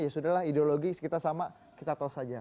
ya sudah lah ideologi sekitar sama kita tos saja